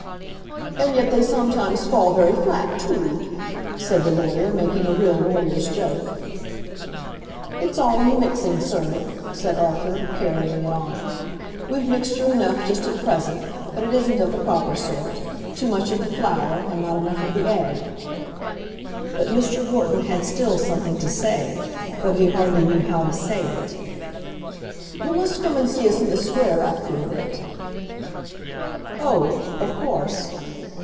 "And yet they sometimes fall very flat too," said the lawyer, making a real lawyer's joke. "It's all in the mixing, sir," said Arthur, carrying it on. "We've mixture enough just at present, but it isn't of the proper sort; too much of the flour, and not enough of the egg." But Mr. Wharton had still something to say, though he hardly knew how to say it. "You must come and see us in the Square after a bit." "Oh; of course."